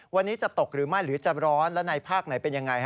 วันนี้จะตกหรือไม่หรือจะร้อนและในภาคไหนเป็นยังไง